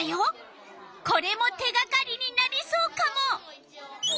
これも手がかりになりそうカモ！